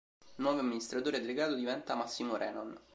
Nuovo amministratore delegato diventa Massimo Renon.